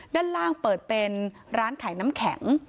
ด้านล่างเปิดเป็นร้านขายน้ำแข็ง